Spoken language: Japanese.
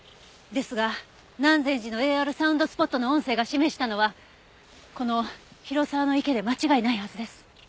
ですが南禅寺のＡＲサウンドスポットの音声が示したのはこの広沢池で間違いないはずです。